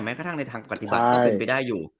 แม้กระทั่งในทางกฎิบัตรก็ยังเป็นไปได้อยู่